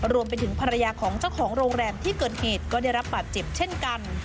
รวมไปถึงภรรยาของเจ้าของโรงแรมที่เกิดเหตุก็ได้รับบาดเจ็บเช่นกัน